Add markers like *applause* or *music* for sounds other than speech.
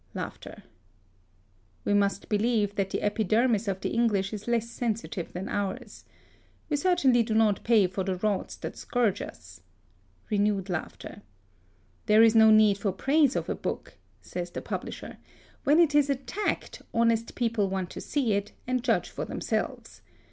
*laughs* We must believe that the epidermis of the English is less sensitive than ours. We certainly do not pay for the rods that scourge us. (Re newed laughter.) " There is no need for praise of a book,*' says the publisher ;" when it is attacked, honest people want to see it, and judge for themselves.